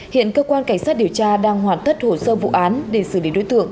hiện cơ quan cảnh sát điều tra đang hoàn tất hồ sơ vụ án để xử lý đối tượng